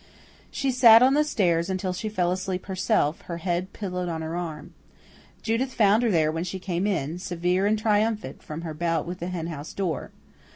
She sat on the stairs until she fell asleep herself, her head pillowed on her arm. Judith found her there when she came in, severe and triumphant, from her bout with the henhouse door.